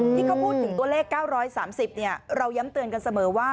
ที่เขาพูดถึงตัวเลข๙๓๐เราย้ำเตือนกันเสมอว่า